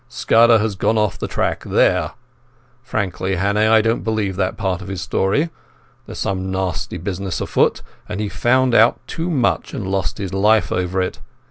Scudder has gone off the track there. Frankly, Hannay, I don't believe that part of his story. There's some nasty business afoot, and he found out too much and lost his life over it.